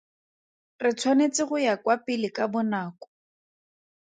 Re tshwanetse go ya kwa pele ka bonako.